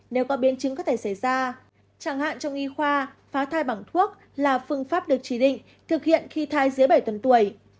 nếu có biến chứng có thể xảy ra chẳng hạn trong y khoa phá thai bằng thuốc là phương pháp được chỉ định thực hiện khi thai dưới bảy tuần tuổi